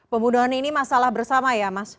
pembunuhan ini masalah bersama ya mas